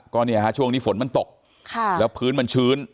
ก็เนี่ยฮะช่วงนี้ฝนมันตกแล้วพื้นมันชื้น